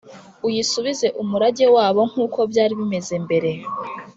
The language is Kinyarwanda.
uyisubize umurage wabo nk’uko byari bimeze mbere.